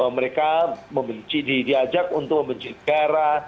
mereka diajak untuk membenci darah